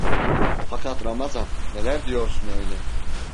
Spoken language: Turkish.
Fakat Ramazan, neler diyorsun öyle…